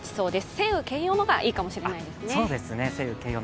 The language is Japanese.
晴雨兼用のがいいかもしれないですね。